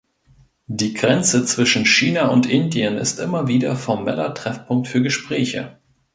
Die Grenze zwischen China und Indien ist immer wieder formeller Treffpunkt für Gespräche.